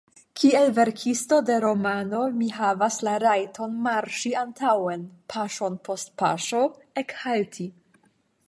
Kiel verkisto de romano mi havas la rajton marŝi antaŭen, paŝon post paŝo, ekhalti.